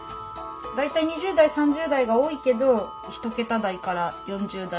大体２０代３０代が多いけど１桁台から４０代